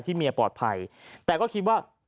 เมียปลอดภัยแต่ก็คิดว่า